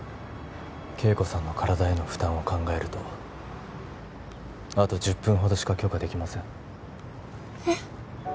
恵子さんの体への負担を考えるとあと１０分ほどしか許可できませんえっ！？